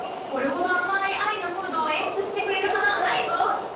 これほど甘い愛のムードを演出してくれる花はないぞ！